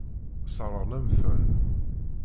Sseṛɣen-am-ten.